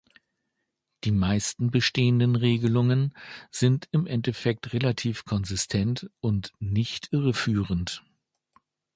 Die meisten bestehenden Regelungen sind im Endeffekt relativ konsistent und nicht irreführend.